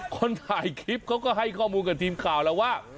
คนถ่ายคลิปเขาก็ให้ข้อมูลกับทีมข่าวแล้วว่า